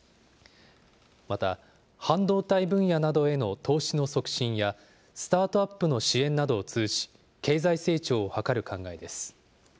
また、半導体分野などへの投資の促進や、スタートアップの支援などを通じ、経済成長を図る考えです。